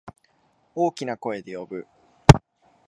大きな声で呼ぶ。